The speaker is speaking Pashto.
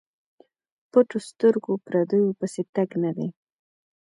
پټو سترګو پردیو پسې تګ نه دی.